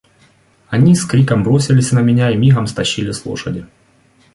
Они с криком бросились на меня и мигом стащили с лошади.